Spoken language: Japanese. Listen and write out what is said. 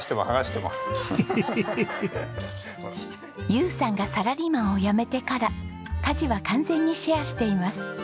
友さんがサラリーマンを辞めてから家事は完全にシェアしています。